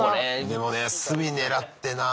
でもね隅狙ってなぁ。